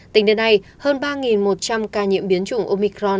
tính đến nay hơn ba một trăm linh ca nhiễm biến chủng omicron